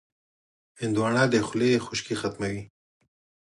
هندوانه د خولې خشکي ختموي.